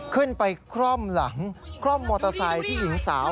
คร่อมหลังคล่อมมอเตอร์ไซค์ที่หญิงสาว